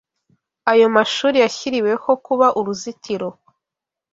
Ayo mashuri yashyiriweho kuba uruzitiro